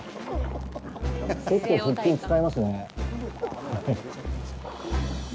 結構、腹筋使いますね。